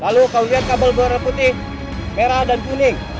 lalu kau lihat kabel merah putih merah dan kuning